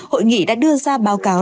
hội nghị đã đưa ra báo cáo